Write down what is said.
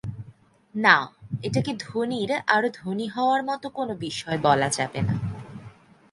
না এটাকে ধনীর আরও ধনী হওয়ার মতো কোনো বিষয় বলা যাবে না।